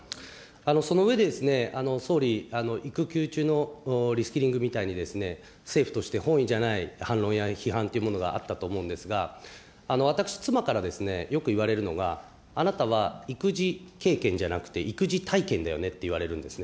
その上で、総理、育休中のリスキリングみたいに、政府として本意じゃない反論や批判というものがあったと思うんですが、私、妻からよく言われるのが、あなたは育児経験じゃなくて、育児体験だよねと言われるんですね。